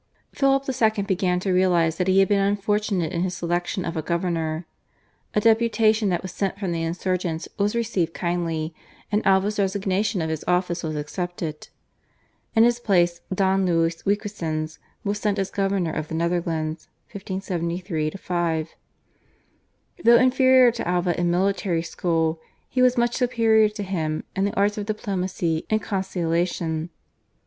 Philip II. began to realise that he had been unfortunate in his selection of a governor. A deputation that was sent from the insurgents was received kindly, and Alva's resignation of his office was accepted. In his place Don Louis Requesens was sent as governor of the Netherlands (1573 5). Though inferior to Alva in military skill he was much superior to him in the arts of diplomacy and conciliation.